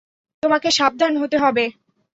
তোমাকে সাবধান হতে হবে।